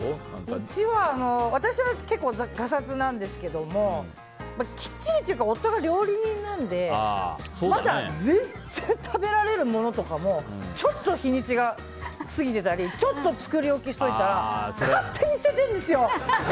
うちは私は結構がさつなんですけどもきっちりというか夫が料理人なのでまだ全然食べられるものとかもちょっと日にちが過ぎてたりちょっと作り置きしておいたら勝手に捨ててるんですよ！